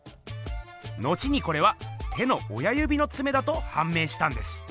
後にこれは手の親ゆびのツメだとはん明したんです。